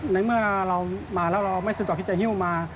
ในเมื่อเรามาแล้วเราไม่สะดวกที่จะฮิ้วมา